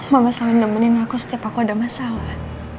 mama selalu nemenin aku setiap aku ada masalah